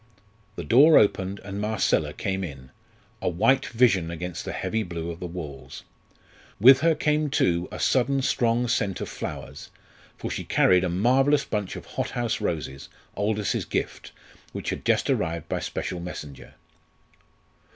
The door opened, and Marcella came in a white vision against the heavy blue of the walls. With her came, too, a sudden strong scent of flowers, for she carried a marvellous bunch of hot house roses, Aldous's gift, which had just arrived by special messenger.